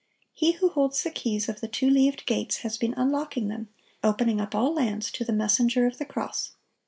He who holds the keys of the two leaved gates has been unlocking them, opening up all lands to the Messenger of the Cross.